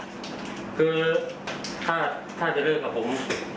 คือถ้าจะเลิกกับผม